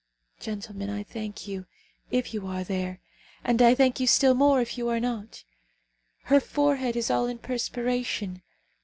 Gentlemen, I thank you, if you are there; and I thank you still more if you are not. Her forehead is all in perspiration.